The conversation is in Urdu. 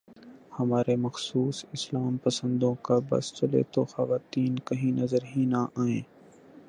ہمارے مخصوص اسلام پسندوں کا بس چلے تو خواتین کہیں نظر ہی نہ آئیں۔